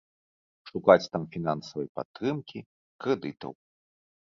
Шукаць там фінансавай падтрымкі, крэдытаў.